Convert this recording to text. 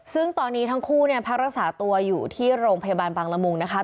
ซึ่งตอนนี้ทั้งคู่เนี่ยพักรักษาตัวอยู่ที่โรงพยาบาลบางละมุงนะคะ